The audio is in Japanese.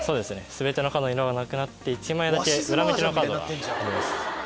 全てのカードの色がなくなって１枚だけ裏向きのカードがあります。